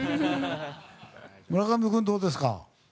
村上君、どうですか？